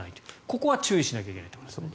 ここは注意しなきゃいけないと。